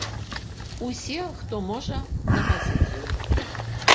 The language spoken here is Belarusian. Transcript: Усе, хто можа, на пазіцыю!